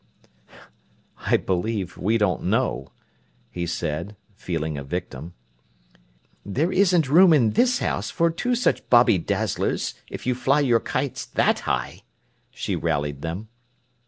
"I believe we don't know," he said, feeling a victim. "There isn't room in this house for two such bobby dazzlers, if you fly your kites that high!" she rallied them.